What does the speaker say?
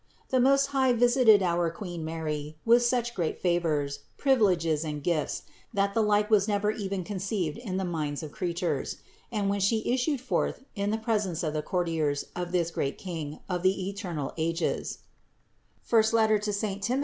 The Most High visited our Queen Mary with such great favors, privileges and gifts, that the like was never even conceived in the mind of creatures, and, when She issued forth in the presence of the cour tiers of this great King of the eternal ages (I Tim.